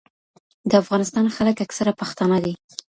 د افغانستان خلک اکثره پښتانه دي.